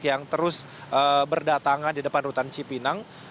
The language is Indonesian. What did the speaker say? yang terus berdatangan di depan rutan cipinang